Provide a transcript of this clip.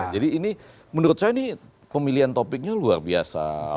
ini menurut saya ini pemilihan topiknya luar biasa